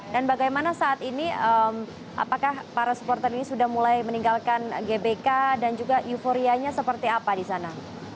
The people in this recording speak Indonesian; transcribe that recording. dan bagaimana saat ini apakah para supporter ini sudah mulai meninggalkan gbk dan juga euforianya seperti apa di sana